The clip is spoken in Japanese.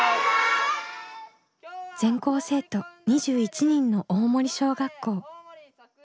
全校生徒２１人の大森小学校。